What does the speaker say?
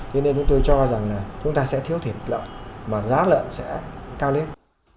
thế nên chúng tôi cho rằng là chúng ta sẽ thiếu thịt lợn mà giá lợn sẽ cao lên